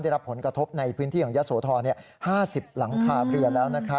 ได้รับผลกระทบในพื้นที่ของยะโสธร๕๐หลังคาเรือนแล้ว